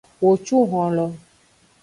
Wo cu honlo.